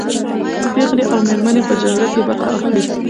پېغلې او مېرمنې په جګړه کې برخه اخلي.